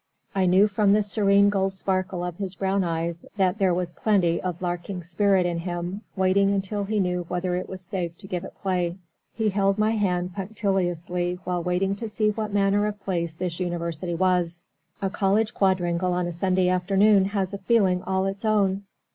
I knew from the serene gold sparkle of his brown eyes that there was plenty of larking spirit in him, waiting until he knew whether it was safe to give it play. He held my hand punctiliously while waiting to see what manner of place this University was. A college quadrangle on a Sunday afternoon has a feeling all its own.